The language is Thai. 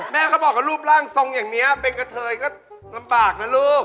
แม่เขาบอกว่ารูปร่างทรงอย่างนี้เป็นกะเทยก็ลำบากนะลูก